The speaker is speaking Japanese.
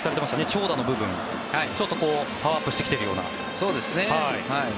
長打の部分ちょっとパワーアップしてきているような。